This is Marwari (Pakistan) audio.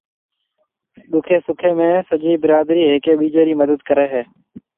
ڏُکِي سُکِي ۾ سجي برادري ھيَََڪيَ ٻيجيَ رِي مدد ڪريَ ھيََََ